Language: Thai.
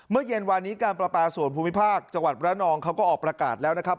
เย็นวานนี้การประปาส่วนภูมิภาคจังหวัดระนองเขาก็ออกประกาศแล้วนะครับ